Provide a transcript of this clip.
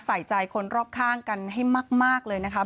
ใส่ใจคนรอบข้างกันให้มากเลยนะคะ